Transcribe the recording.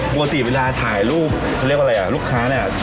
ปกติเวลาถ่ายรูปเขาเรียกว่าอะไรอ่ะลูกค้าเนี่ย